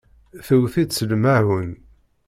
Tewwet-itt, s lmaɛun.